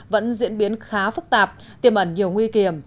vẫn diễn biến khá phức tạp tiềm ẩn nhiều nguy kiểm